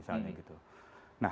nah hanya karena memang dua orang